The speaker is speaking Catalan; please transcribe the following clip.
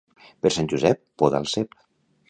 Per Sant Josep, poda el cep.